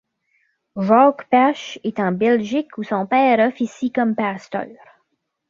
Jacques Pache est en Belgique, où son père officie comme pasteur.